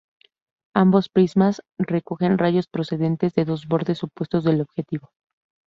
Ambos prismas recogen rayos procedentes de dos bordes opuestos del objetivo.